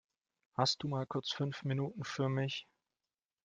Hast du mal kurz fünf Minuten für mich?